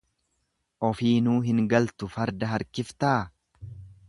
Ofiinuu hin galtuu farda arkiftaa.